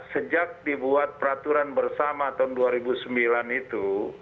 sejak dibuat peraturan bersama tahun dua ribu sembilan itu